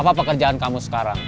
apa pekerjaan kamu sekarang